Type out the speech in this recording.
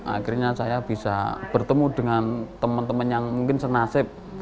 akhirnya saya bisa bertemu dengan teman teman yang mungkin senasib